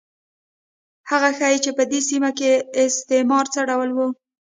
هغه ښيي چې په دې سیمه کې استعمار څه ډول و.